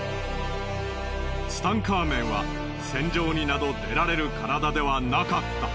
ツタンカーメンは戦場になど出られる体ではなかった。